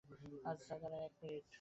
আচ্ছা দাঁড়ান, এক মিনিট।